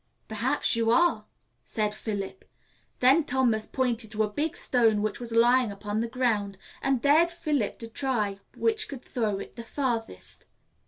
'Perhaps you are,' said Philip. Then Thomas pointed to a big stone which was lying upon the ground, and dared Philip to try which could throw it the farthest.